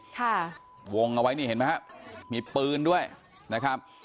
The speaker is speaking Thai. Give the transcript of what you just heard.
ค่ะวงเอาไว้นี่เห็นไหมฮะมีปืนด้วยนะครับ